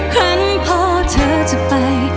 ครั้งพอเธอจะไป